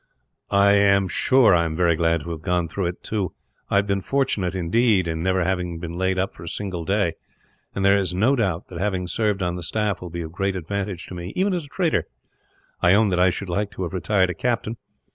"I am sure I am very glad to have gone through it, too. I have been fortunate, indeed, in never having been laid up for a single day; and there is no doubt that having served on the staff will be of great advantage to me, even as a trader. I own that I should like to have retired a captain.